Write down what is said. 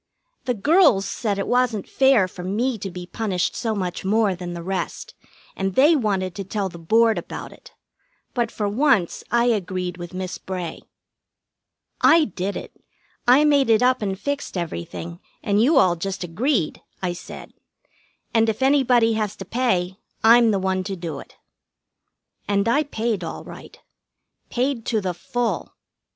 The girls said it wasn't fair for me to be punished so much more than the rest, and they wanted to tell the Board about it; but for once I agreed with Miss Bray. "I did it. I made it up and fixed everything, and you all just agreed," I said. "And if anybody has to pay, I'm the one to do it." And I paid all right. Paid to the full.